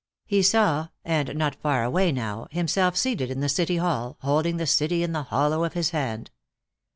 He saw, and not far away now, himself seated in the city hall, holding the city in the hollow of his hand.